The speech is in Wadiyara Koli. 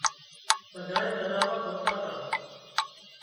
ٻڌانئي زناور زوتان تان